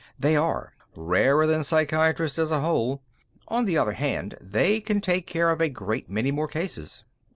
"They are. Rarer than psychiatrists as a whole. On the other hand, they can take care of a great many more cases."